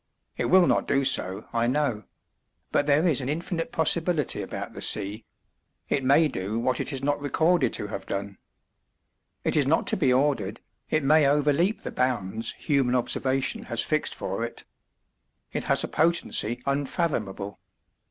It will not do so, I know; but there is an infinite possibility about the sea; it may do what it is not recorded to have done. It is not to be ordered, it may overleap the bounds human observation has fixed for it. It has a potency unfathomable.